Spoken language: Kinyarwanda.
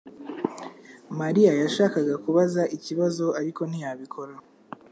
Mariya yashakaga kubaza ikibazo, ariko ntiyabikora.